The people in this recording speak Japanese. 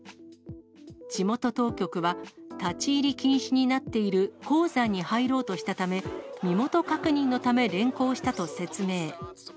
地元当局は、立ち入り禁止になっている鉱山に入ろうとしたため、身元確認のため連行したと説明。